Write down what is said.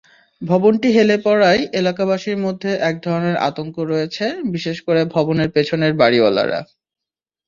ভবনটি হেলে পড়ায় এলাকাবাসীর মধ্যে একধরনের আতঙ্ক রয়েছে, বিশেষ করে ভবনের পেছনের বাড়িওয়ালার।